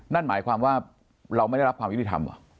นั่นหมายความว่าเราไม่ได้รับความยุติธรรมเหรอ